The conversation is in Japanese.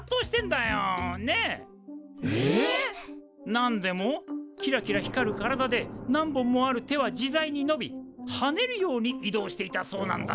なんでもキラキラ光る体で何本もある手は自在にのびはねるように移動していたそうなんだ。